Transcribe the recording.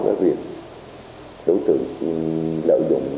đối tượng lợi dụng